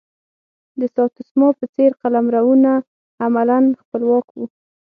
د ساتسوما په څېر قلمرونه عملا خپلواک وو.